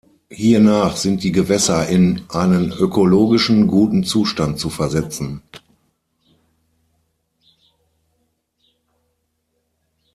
Hiernach sind die Gewässer in einen ökologischen, guten Zustand zu versetzen.